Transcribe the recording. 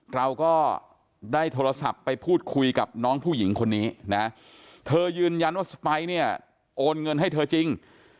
เราก็ได้โทรศัพท์ไปพูดคุยกับน้องผู้หญิงคนนี้นะเธอยืนยันว่าสไปร์เนี่ยโอนเงินให้เธอจริง